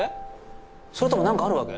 それともなんかあるわけ？